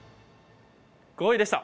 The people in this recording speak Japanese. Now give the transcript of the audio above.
５位でした。